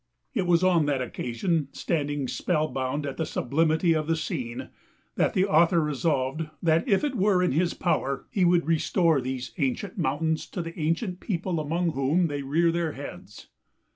It was on that occasion, standing spellbound at the sublimity of the scene, that the author resolved that if it were in his power he would restore these ancient mountains to the ancient people among whom they rear their heads.